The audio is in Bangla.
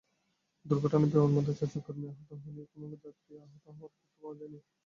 দুর্ঘটনায় বিমানবন্দরের চারজন কর্মী আহত হলেও কোনো যাত্রী আহত হওয়ার তথ্য পাওয়া যায়নি।